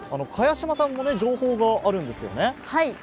茅島さんも情報があるんですよね？